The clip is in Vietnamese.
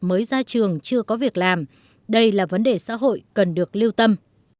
mới ra trường chưa có việc làm đây là vấn đề xã hội cần được lưu tâm